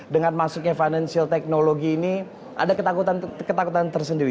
dengan masuknya financial technology ini ada ketakutan tersendiri